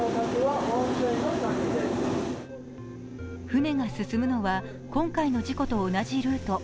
船が進むのは今回の事故と同じルート。